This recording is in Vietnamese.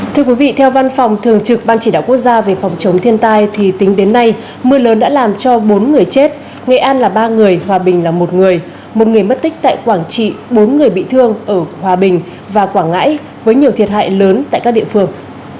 thưa quý vị theo văn phòng thường trực ban chỉ đạo quốc gia về phòng chống thiên tai thì tính đến nay mưa lớn đã làm cho bốn người chết nghệ an là ba người hòa bình là một người một người mất tích tại quảng trị bốn người bị thương ở hòa bình và quảng ngãi với nhiều thiệt hại lớn tại các địa phương